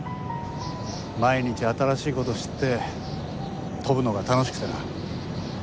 毎日新しい事を知って飛ぶのが楽しくてな。